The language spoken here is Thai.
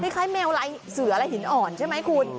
คล้ายแมวลายเสืออะไรหินอ่อนใช่ไหมคุณ